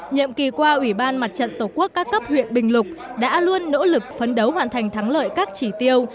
nhiệm kỳ qua ủy ban mặt trận tổ quốc các cấp huyện bình lục đã luôn nỗ lực phấn đấu hoàn thành thắng lợi các chỉ tiêu